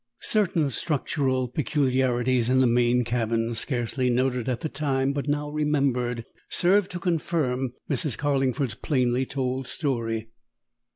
Certain structural peculiarities in the main cabin scarcely noted at the time, but now remembered served to confirm Mrs. Carlingford's plainly told story.